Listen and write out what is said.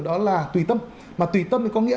đó là tùy tâm mà tùy tâm thì có nghĩa